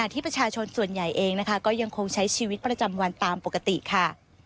ที่ประชาชนส่วนใหญ่เองนะคะก็ยังคงใช้ชีวิตประจำวันตามปกติค่ะ